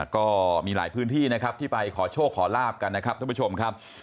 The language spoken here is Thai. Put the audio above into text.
ก็มีหลายพื้นที่นะครับที่ไปขอโชคขอลาบกันนะครับท่านผู้ชมครับ